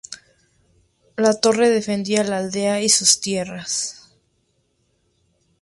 La torre defendía la aldea y sus tierras.